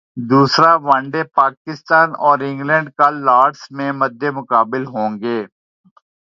دوسرا one day Pakistan اور England کل لارڈز میں مدمقابل ہونگے